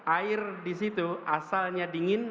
air disitu asalnya dingin